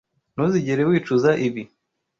Ntuzigera wicuza ibi.